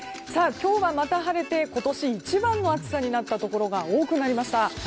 今日は、また晴れて今年一番の暑さになったところが多くなりました。